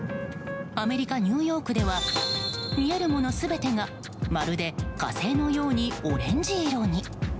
アメリカ・ニューヨークでは見えるもの全てがまるで火星のようにオレンジ色に。